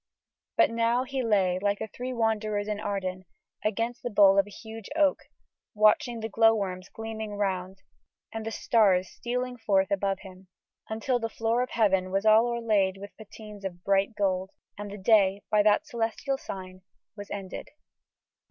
But now he lay, like the three wanderers in Arden, against the bole of a huge oak, watching the glow worms gleaming around and the stars stealing forth above him: until the floor of Heaven was "all o'erlaid with patines of bright gold," and the day, by that celestial sign, was ended.